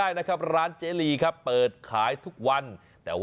อารมณ์ของแม่ค้าอารมณ์การเสิรฟนั่งอยู่ตรงกลาง